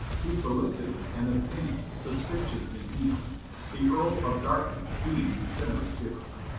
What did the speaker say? He solicited and obtained subscriptions in England, the Earl of Dartmouth being a generous giver.